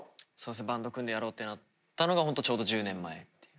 バンド組んでやろうってなったのがホントちょうど１０年前っていう。